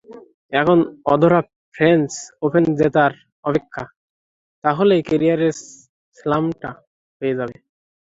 এখন অধরা French Open জেতার অপেক্ষা, তাহলেই ক্যারিয়ার স্লামটাও হয়ে যাবে।